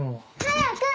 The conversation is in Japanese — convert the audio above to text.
早く！